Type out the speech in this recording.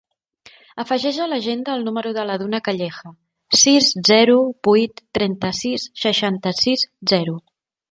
Afegeix a l'agenda el número de la Duna Calleja: sis, zero, vuit, trenta-sis, seixanta-sis, zero.